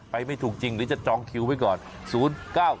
ไม่ถูกจริงหรือจะจองคิวไว้ก่อน